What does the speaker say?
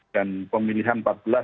dan pemilihan patungnya